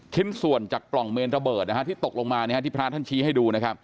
ชิ้นส่วนจากปล่องเมนระเบิดนะฮะที่ตกลงมานะฮะที่พระท่านชี้ให้ดูนะครับ